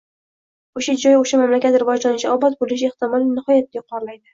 o‘sha joy, o‘sha mamlakat rivojlanishi, obod bo‘lishi ehtimoli nihoyatda yuqorilaydi.